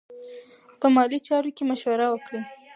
په مالي چارو کې مشوره وکړئ.